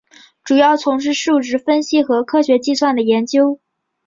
主要从事数值分析和科学计算的研究。